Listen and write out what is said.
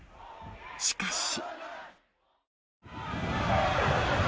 しかし。